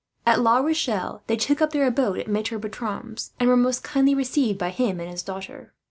At La Rochelle they took up their abode at Maitre Bertram's, and were most kindly received by him and his daughter.